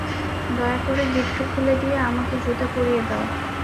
দয়া করে গিট্টু খুলে দিয়ে আমাকে জুতা পরিয়ে দাও।